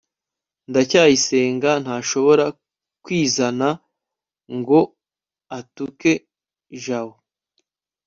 ndacyayisenga ntashobora kwizana ngo atuke jabo